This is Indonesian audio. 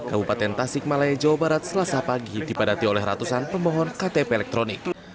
kabupaten tasik malaya jawa barat selasa pagi dipadati oleh ratusan pemohon ktp elektronik